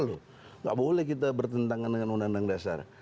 tidak boleh kita bertentangan dengan undang undang dasar